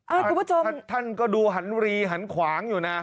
คุณผู้ชมท่านก็ดูหันรีหันขวางอยู่นะ